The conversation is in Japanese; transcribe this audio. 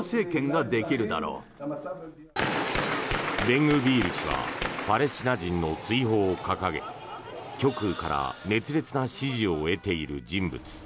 ベングビール氏はパレスチナ人の追放を掲げ極右から熱烈な支持を得ている人物。